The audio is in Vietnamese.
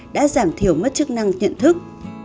đã giảm thiểu mất chức năng nhận thức